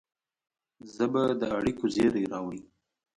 ژبه د اړیکو زېری راوړي